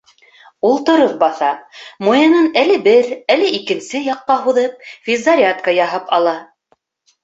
Ул тороп баҫа, муйынын әле бер, әле икенсе яҡҡа һуҙып, физзарядка яһап ала.